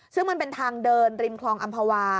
ซึ่งมันเป็นทางเดินริมคลองอำภาวา